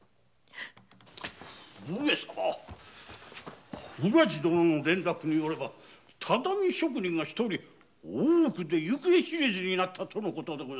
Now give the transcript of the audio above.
上様浦路殿の連絡によれば畳職人が一人大奥で行方知れずになったとのこと。